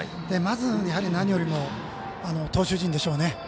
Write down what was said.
まず、何よりも投手陣でしょうね。